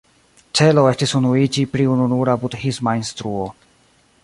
Celo estis unuiĝi pri ununura budhisma instruo.